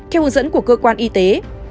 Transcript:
theo hướng dẫn của cơ quan y tế